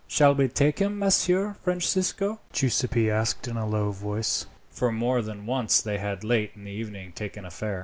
"Shall we take him, Messer Francisco?" Giuseppi asked in a low voice; for more than once they had late in the evening taken a fare.